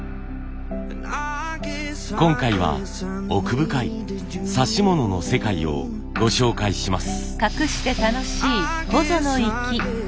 今回は奥深い指物の世界をご紹介します。